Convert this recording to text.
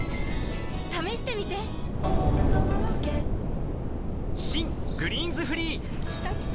あふっ新「グリーンズフリー」きたきた！